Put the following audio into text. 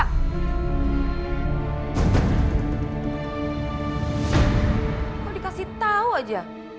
kamu dikasih tau aja